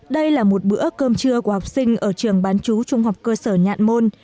đây là một bữa cơm trưa của học sinh ở trường bán chú trung học cơ sở nhạn môn